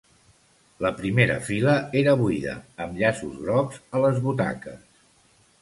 La primera fila era buida, amb llaços grocs a les butaques.